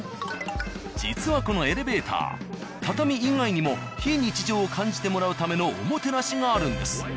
実はこのエレベーター畳以外にも非日常を感じてもらうためのおもてなしがあるんです。